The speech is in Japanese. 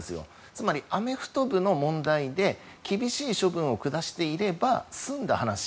つまり、アメフト部の問題で厳しい処分を下していれば済んだ話。